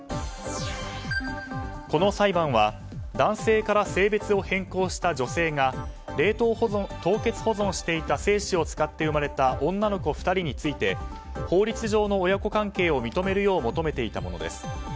この裁判は男性から性別を変更した女性が凍結保存していた精子を使って生まれた女の子２人について法律上の親子関係を認めるよう求めていたものです。